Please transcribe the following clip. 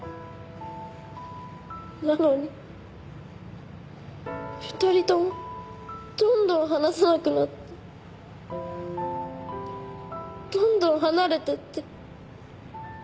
なのに２人ともどんどん話さなくなってどんどん離れていって。